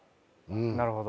なるほど。